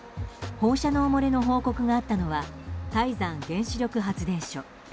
放射能漏れの報告があったのは台山原子力発電所。